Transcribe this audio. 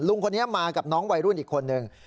ลุงคนนี้มากับน้องวัยรุ่นอีกคนนึง